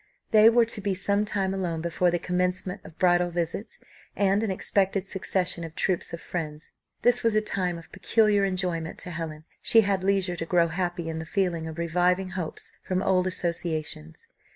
They were to be some time alone before the commencement of bridal visits, and an expected succession of troops of friends. This was a time of peculiar enjoyment to Helen: she had leisure to grow happy in the feeling of reviving hopes from old associations.